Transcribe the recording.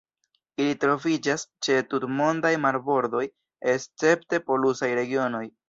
Ili troviĝas ĉe tutmondaj marbordoj escepte polusaj regionoj.